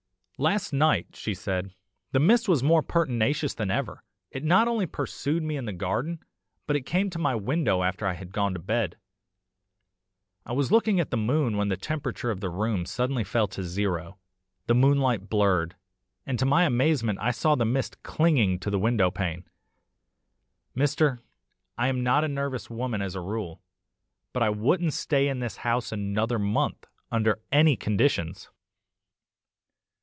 "'Last night,' she said, 'the mist was more pertinacious than ever it not only pursued me in the garden, but came to my window after I had gone to bed. I was looking at the moon when the temperature of the room suddenly fell to zero, the moonlight blurred, and to my amazement I saw the mist clinging to the window pane. Mr. , I am not a nervous woman as a rule, but I wouldn't stay in this house another month under any conditions.